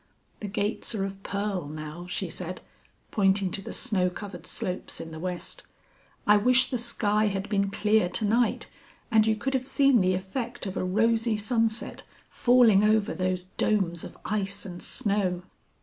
The gates are of pearl now," she said, pointing to the snow covered slopes in the west. "I wish the sky had been clear to night and you could have seen the effect of a rosy sunset falling over those domes of ice and snow."